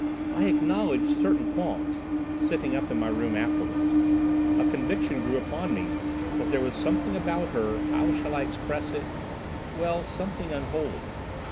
"I acknowledged certain qualms, sitting up in my room afterwards. A conviction grew upon me that there was something about her—how shall I express it?—well, something unholy.